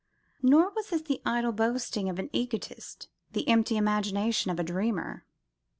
Nor was this the idle boasting of an egotist, the empty imagination of a dreamer.